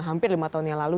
hampir lima tahun yang lalu